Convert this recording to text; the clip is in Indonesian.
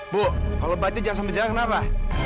bu kalau baca jasa bejaya kenapa